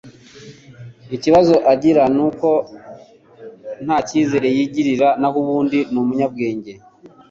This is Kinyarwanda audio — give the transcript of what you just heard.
Ikibazo agira nuko ntacyizere yigiriria nahubundi ni umunyabwenge